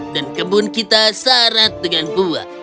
dan kebun kita sarat dengan buah